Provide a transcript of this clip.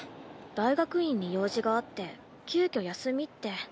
大学院に用事があって急遽休みって。